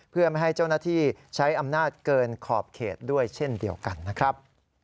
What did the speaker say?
เพื่อไม่ให้เจ้าหน้าที่ใช้อำนาจเกินขอบเขตด้วยเช่นเดียวกันนะครับ